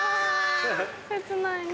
切ないね。